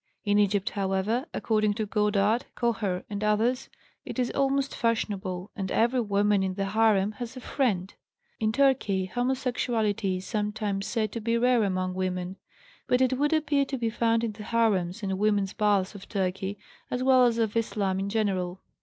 In Egypt, however, according to Godard, Kocher, and others, it is almost fashionable, and every woman in the harem has a "friend." In Turkey homosexuality is sometimes said to be rare among women. But it would appear to be found in the harems and women's baths of Turkey, as well as of Islam generally.